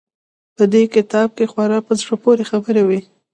په دې کتاب کښې خورا په زړه پورې خبرې وې.